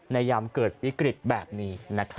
ยามเกิดวิกฤตแบบนี้